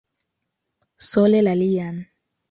Sole la lian.